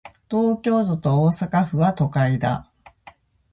東京都と大阪府は、都会だ。